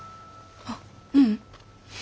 あっううん。